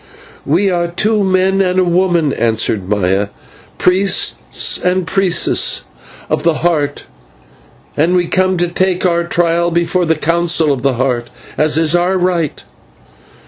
"We are two men and a woman," answered Maya, "priests and priestess of the Heart, and we come to take our trial before the Council of the Heart, as is our right."